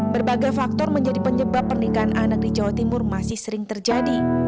berbagai faktor menjadi penyebab pernikahan anak di jawa timur masih sering terjadi